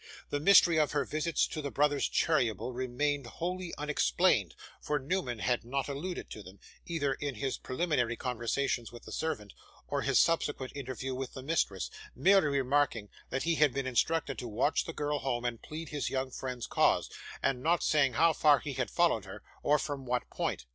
The mystery of her visits to the brothers Cheeryble remained wholly unexplained, for Newman had not alluded to them, either in his preliminary conversations with the servant or his subsequent interview with the mistress, merely remarking that he had been instructed to watch the girl home and plead his young friend's cause, and not saying how far he had followed her, or from what point.